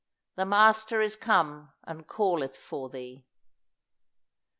"THE MASTER IS COME, AND CALLETH FOR THEE."